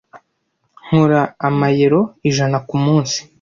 Nkora amayero ijana kumunsi.